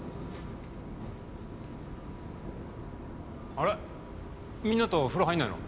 ・あれみんなと風呂入んないの？